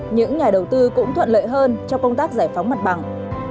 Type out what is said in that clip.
những nhà đầu tư cũng thuận lợi hơn trong công tác giải phóng mặt bằng